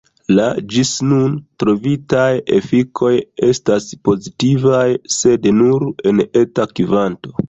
La ĝis nun trovitaj efikoj estas pozitivaj, sed nur en eta kvanto.